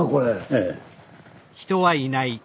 ええ。